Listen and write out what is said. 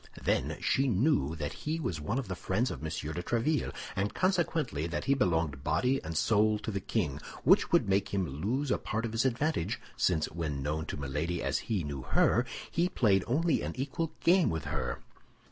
Then she knew that he was one of the friends of M. de Tréville, and consequently, that he belonged body and soul to the king; which would make him lose a part of his advantage, since when known to Milady as he knew her, he played only an equal game with her.